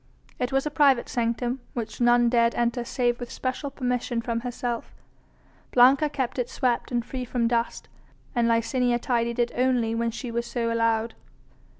It was a private sanctum which none dared enter save with special permission from herself. Blanca kept it swept and free from dust, and Licinia tidied it only when she was so allowed.